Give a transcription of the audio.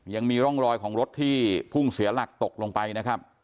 ยังมีร่องรอยของรถที่พุ่งเสียหลักตกลงไปนะครับ